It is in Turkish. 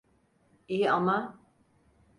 İyi ama…